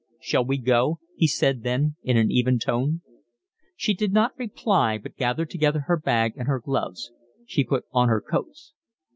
"Shall we go?" he said then, in an even tone. She did not reply, but gathered together her bag and her gloves. She put on her coat.